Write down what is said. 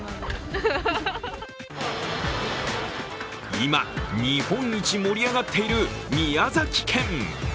今、日本一盛り上がっている宮崎県。